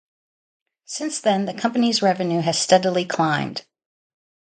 Since then, the company's revenue has steadily climbed.